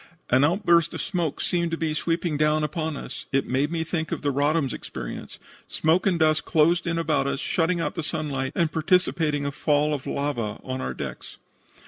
An outburst of smoke seemed to be sweeping down upon us. It made me think of the Roddam's experience. Smoke and dust closed in about us, shutting out the sunlight, and precipitating a fall of lava on our decks.